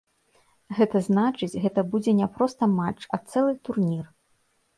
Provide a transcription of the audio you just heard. Гэта значыць, гэта будзе не проста матч, а цэлы турнір.